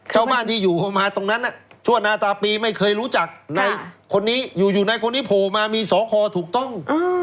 ชาวบ้านที่อยู่มาตรงนั้นชั่วนาตาปีไม่เคยรู้จักในคนนี้อยู่ในคนนี้โผล่มามีสอคอถูกต้อง